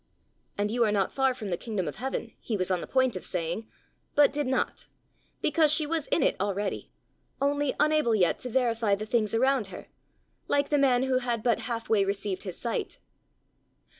And you are not far from the kingdom of heaven," he was on the point of saying, but did not because she was in it already, only unable yet to verify the things around her, like the man who had but half way received his sight.